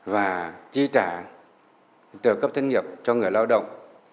và chi trả trợ cấp thất nghiệp cho người lao động